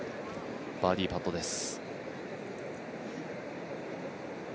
バーディーパットです。